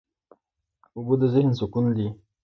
اوبه د ذهن سکون دي.